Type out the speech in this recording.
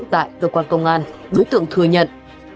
tại cơ quan công an đối tượng thừa nhận